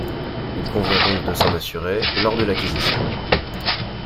Il convient donc de s'en assurer lors de l'acquisition.